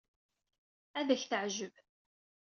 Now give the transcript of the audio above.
Ad ak-teɛjeb.